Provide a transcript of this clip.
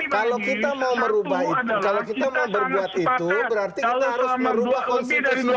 kalau kita mau merubah itu kalau kita mau berbuat itu berarti kita harus merubah konstitusinya